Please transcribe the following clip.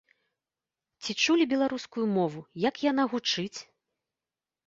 Ці чулі беларускую мову, як яна гучыць?